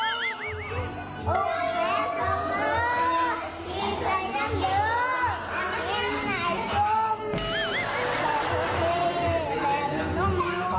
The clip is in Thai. น้องน้อยสมแบบเจ็บแบบนุ่มนุกอาชุมหัวใจน้ำแม่ฮะ